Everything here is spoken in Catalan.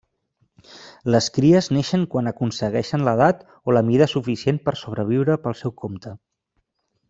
Les cries neixen quan aconsegueixen l'edat o la mida suficient per sobreviure pel seu compte.